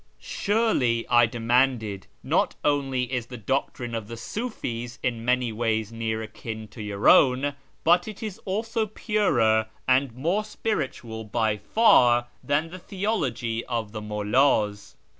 "" Surely," I demanded, " not only is the doctrine of the Siifis in many ways near akin to your own, but it is also purer and more spiritual by far than tlie theology of the mullds.